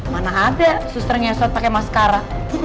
mana ada suster ngesot pake maskara